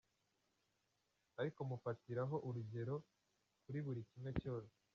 Ariko mufatiraho urugero kuri buri kimwe cyose.